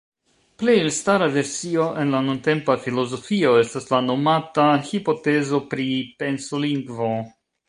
Plej elstara versio en la nuntempa filozofio estas la nomata "hipotezo pri pensolingvo".